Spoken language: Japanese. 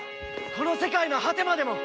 この世界の果てまでも！